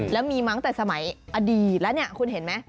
แล้วมีมาตั้งแต่สมัยอดีตแล้วเนี่ยคุณเห็นไหม